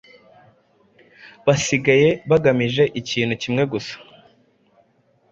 Basigaye bagamije ikintu kimwe gusa